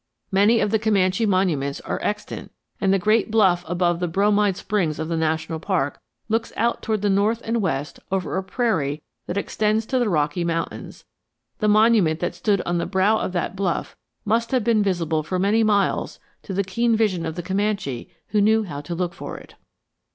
"Many of the Comanche monuments are extant and the great bluff above the Bromide Springs of the national park looks out toward the north and west over a prairie that extends to the Rocky Mountains; the monument that stood on the brow of that bluff must have been visible for many miles to the keen vision of the Comanche who knew how to look for it."